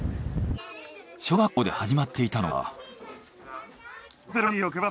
小学校で始まっていたのは。